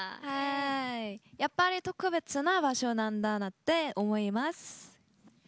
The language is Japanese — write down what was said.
やっぱり特別な場所なんだって思います。